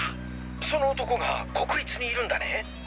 その男が国立にいるんだね？